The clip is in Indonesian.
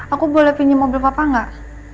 aku boleh pinjem mobil papa nggak